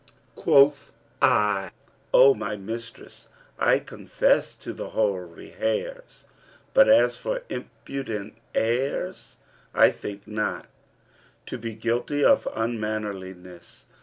Quoth I, 'O my mistress, I confess to the hoary hairs, but as for impudent airs, I think not to be guilty of unmannerliness.'